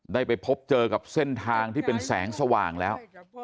ได้ไปพบเจอกับเส้นทางที่เป็นแสงสว่างแล้ว